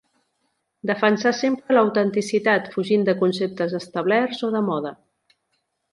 Defensà sempre l'autenticitat, fugint de conceptes establerts o de moda.